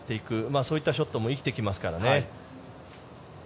そういったショットも生きてきますからね。